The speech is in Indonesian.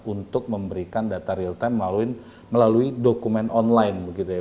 untuk memberikan data real time melalui dokumen online